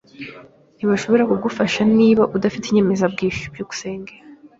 Ntibashobora kugufasha niba udafite inyemezabwishyu. byukusenge